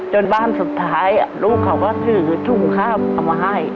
บ้านสุดท้ายลูกเขาก็ถือถุงข้าวเอามาให้